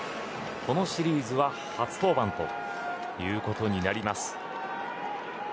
このシリーズは初登板ということになります。